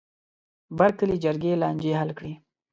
بر کلي جرګې لانجې حل کړې.